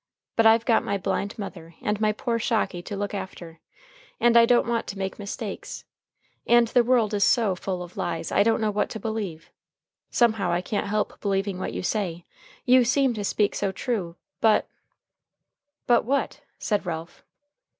But I've got my blind mother and my poor Shocky to look after. And I don't want to make mistakes. And the world is so full of lies I don't know what to believe. Somehow I can't help believing what you say. You seem to speak so true. But " "But what?" said Ralph.